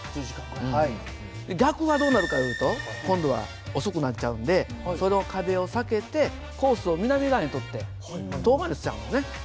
逆はどうなるかいうと今度は遅くなっちゃうんでその風を避けてコースを南側に取って遠回りしちゃうんだね。